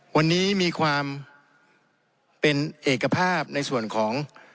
วันนี้มีความเป็นเอกภาพในส่วนของ